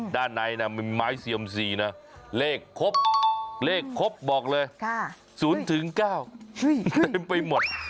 ด้านในมีไม้เซียมซีนะเลขครบเลขครบบอกเลย๐๙เต็มไปหมด